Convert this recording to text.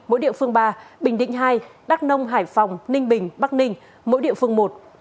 mỗi địa phương ba bình định hai đắk nông hải phòng ninh bình bắc ninh mỗi địa phương một